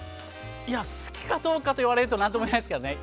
いや、好きかどうかといわれると何とも言えないんですけどね。